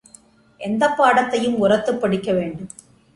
எந்தப் பாடத்தையும் உரத்துப் படிக்க வேண்டும்.